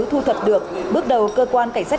thu thật được bước đầu cơ quan cảnh sát